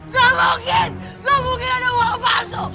gak mungkin gak mungkin ada uang palsu